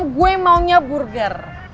gue maunya burger